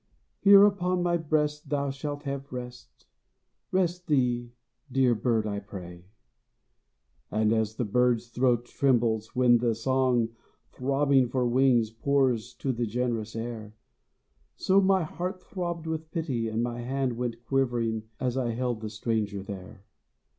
"Here upon my breast Thou shalt have rest. Rest thee, dear bird, I pray!" And as the bird's throat trembles when the song Throbbing for wings pours to the generous air, So my heart throbbed with pity and my hand Went quivering as I held the stranger there.